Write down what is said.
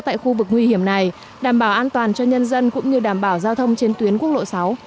tại khu vực nguy hiểm này đảm bảo an toàn cho nhân dân cũng như đảm bảo giao thông trên tuyến quốc lộ sáu